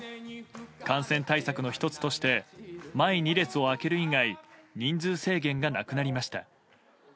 感染対策の１つとして前２列を空ける以外人数制限がなくなりました。